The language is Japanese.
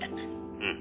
☎うん。